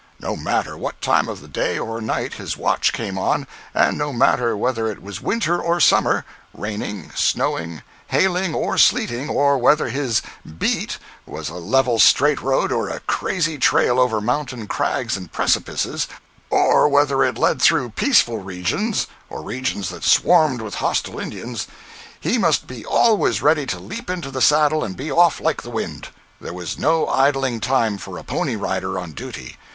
No matter what time of the day or night his watch came on, and no matter whether it was winter or summer, raining, snowing, hailing, or sleeting, or whether his "beat" was a level straight road or a crazy trail over mountain crags and precipices, or whether it led through peaceful regions or regions that swarmed with hostile Indians, he must be always ready to leap into the saddle and be off like the wind! There was no idling time for a pony rider on duty.